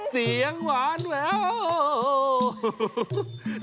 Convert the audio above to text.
เสียงหวานแวว